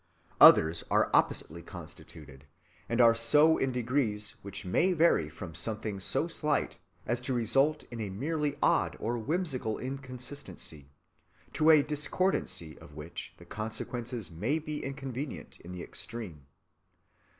Others are oppositely constituted; and are so in degrees which may vary from something so slight as to result in a merely odd or whimsical inconsistency, to a discordancy of which the consequences may be inconvenient in the extreme.